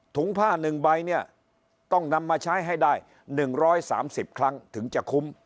ผ้า๑ใบเนี่ยต้องนำมาใช้ให้ได้๑๓๐ครั้งถึงจะคุ้ม